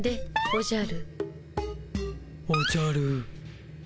おじゃる。